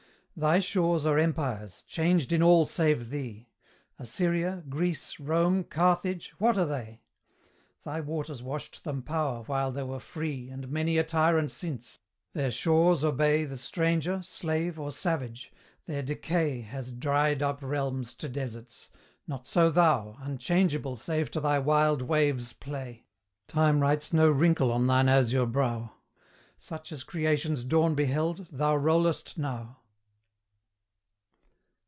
Thy shores are empires, changed in all save thee Assyria, Greece, Rome, Carthage, what are they? Thy waters washed them power while they were free And many a tyrant since: their shores obey The stranger, slave, or savage; their decay Has dried up realms to deserts: not so thou, Unchangeable save to thy wild waves' play Time writes no wrinkle on thine azure brow Such as creation's dawn beheld, thou rollest now.